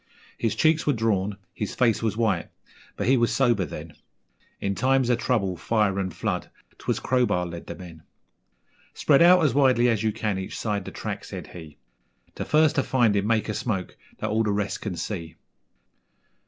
His cheeks were drawn, his face was white, but he was sober then In times of trouble, fire, and flood, 'twas Crowbar led the men. 'Spread out as widely as you can each side the track,' said he; 'The first to find him make a smoke that all the rest can see.'